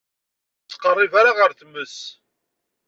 Ur ttqeṛṛib ara ar tmes.